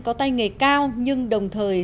có tay nghề cao nhưng đồng thời